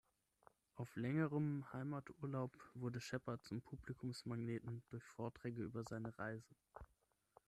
Auf längerem Heimaturlaub, wurde Sheppard zum Publikumsmagneten durch Vorträge über seine Reise.